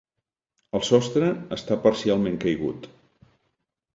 El sostre està parcialment caigut.